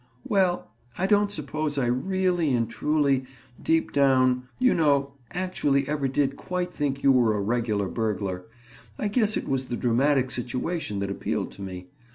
"Well, I don't suppose I really and truly—deep down, you know—actually ever did quite think you were a regular burglar. I guess it was the dramatic situation that appealed to me.